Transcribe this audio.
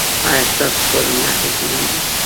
ایا ستاسو کارونه اغیزمن دي؟